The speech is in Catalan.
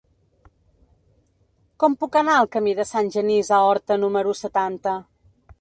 Com puc anar al camí de Sant Genís a Horta número setanta?